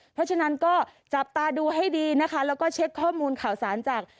เพราะฉะนั้นก็จับตาดูให้ดีนะคะแล้วก็เช็คข้อมูลข่าวสารจาก